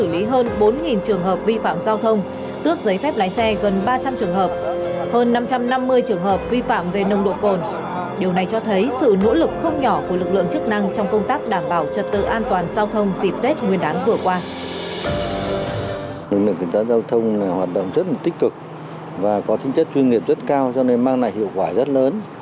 lực lượng cảnh sát giao thông hoạt động rất tích cực và có tính chất chuyên nghiệp rất cao cho nên mang lại hiệu quả rất lớn